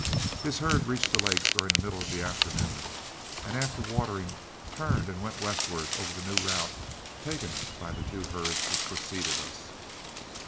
His herd reached the lakes during the middle of the afternoon, and after watering, turned and went westward over the new route taken by the two herds which preceded us.